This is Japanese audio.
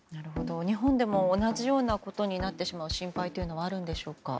日本でも同じようなことになってしまう心配というのはあるんでしょうか。